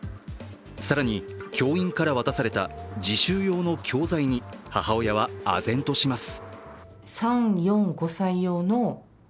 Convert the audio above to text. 更に教員から渡された自習用の教材に母親はあぜんとします。